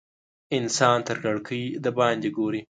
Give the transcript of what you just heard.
انسان تر کړکۍ د باندې ګوري.